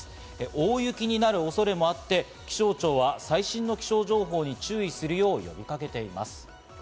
大雪になる恐れもあって、気象庁は最新の気象情報に注意するよう呼びかけています。